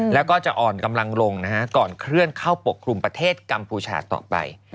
แล้วก็จะอ่อนกำลังลงนะฮะก่อนเคลื่อนเข้าปกคลุมประเทศกัมพูชาต่อไป